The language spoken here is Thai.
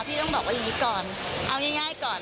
พี่ต้องบอกว่าอย่างนี้ก่อนเอาง่ายก่อน